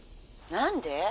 「何で？